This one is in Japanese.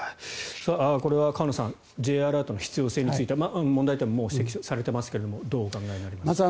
これは河野さんＪアラートの必要性については問題点も指摘されていますがどうお考えになりますか？